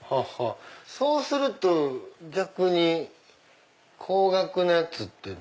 そうすると逆に高額なやつって。